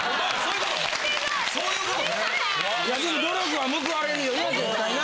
いやでも努力は報われるよな絶対な。